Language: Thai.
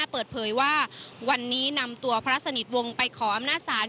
เปิดเผยว่าวันนี้นำตัวพระสนิทวงศ์ไปขออำนาจศาล